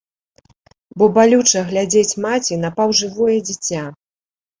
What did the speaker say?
Бо балюча глядзець маці на паўжывое дзіця.